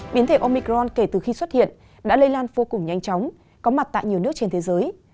biến thể omicron kể từ khi xuất hiện đã lây lan vô cùng nhanh chóng có mặt tại nhiều nước trên thế giới